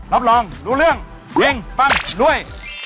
รับรองรู้เรื่องเฮงปังรวย